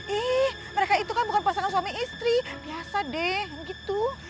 ih mereka itu kan bukan pasangan suami istri biasa deh gitu